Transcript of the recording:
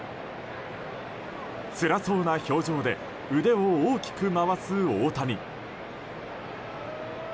つらそうな表情で腕を大きく回す大谷。